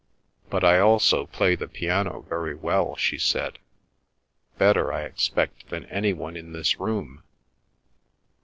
"But I also play the piano very well," she said, "better, I expect than any one in this room.